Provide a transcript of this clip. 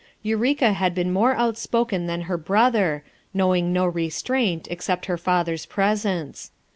Eureka had been more outspoken than her brother, knowing no restraint except her father's presence.